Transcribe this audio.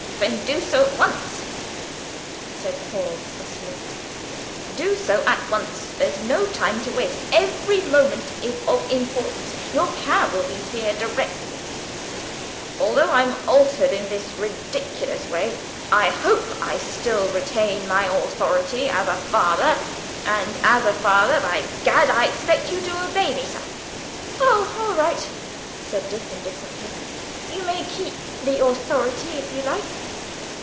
"Then do so at once," said Paul fussily, "do so at once. There's no time to waste, every moment is of importance your cab will be here directly. Although, although I'm altered in this ridiculous way, I hope I still retain my authority as a father, and as a father, by Gad, I expect you to obey me, sir!" "Oh, all right," said Dick indifferently, "you may keep the authority if you like."